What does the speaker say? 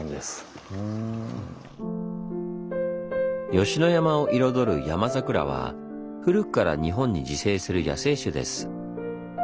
吉野山を彩るヤマザクラは古くから日本に自生する野生種です。